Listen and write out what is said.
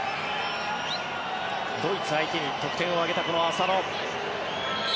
ドイツ相手に得点を挙げたこの浅野。